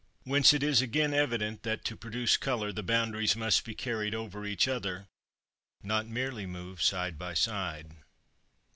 Whence it is again evident that to produce colour the boundaries must be carried over each other, not merely move side by side.